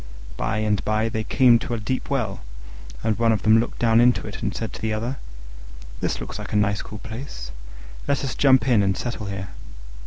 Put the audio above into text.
By and by they came to a deep well, and one of them looked down into it, and said to the other, "This looks a nice cool place: let us jump in and settle here."